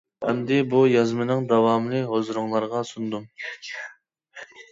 ئەمدى بۇ يازمىنىڭ داۋامىنى ھۇزۇرۇڭلارغا سۇندۇم.